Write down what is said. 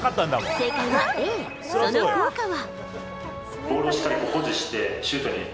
正解はＡ、その効果は。